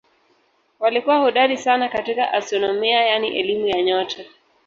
Walikuwa hodari sana katika astronomia yaani elimu ya nyota.